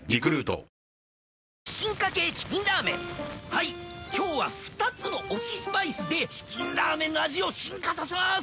はいっ今日は二つの推しスパイスで『チキンラーメン』の味を進化させます